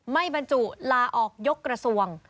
บรรจุลาออกยกกระทรวง